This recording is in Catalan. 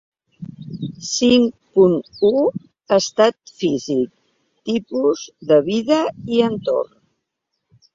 Cinc punt u Estat físic, tipus de vida i entorn.